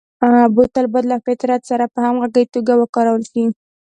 بوتل باید له فطرت سره په همغږي توګه وکارول شي.